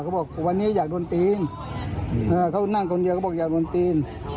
บอกวันนี้อยากโดนตีนเขานั่งคนเดียวเขาบอกอยากโดนตีน